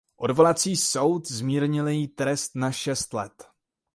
Odvolací soud zmírnil její trest na šest let.